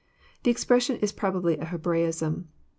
The expression is probably a Hebra ism.